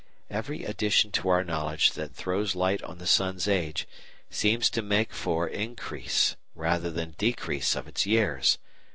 Every addition to our knowledge that throws light on the sun's age seems to make for increase rather than decrease of its years.